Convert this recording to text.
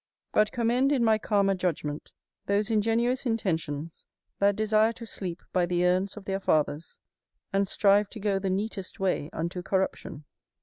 but commend, in my calmer judgment, those ingenuous intentions that desire to sleep by the urns of their fathers, and strive to go the neatest way unto corruption.